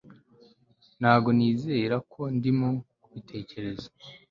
ntabwo nizera ko ndimo kubitekereza